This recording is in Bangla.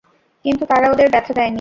কিন্তু তারা ওদের ব্যথা দেয়নি।